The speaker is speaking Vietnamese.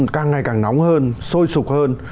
càng ngày càng nóng hơn sôi sục hơn